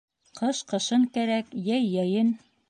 Ҡыш ҡышын кәрәк, йәй йәйен.